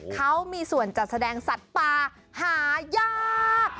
เขามีส่วนจัดแสดงสัตว์ป่าหายาก